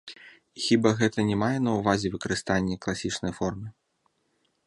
І хіба гэта не мае на ўвазе выкарыстанне класічнай формы?